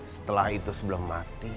setelah itu sebelum mati